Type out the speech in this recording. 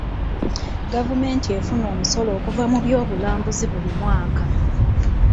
Gavumenti efuna omusolo okuva mu byobulambuzi buli mwaka.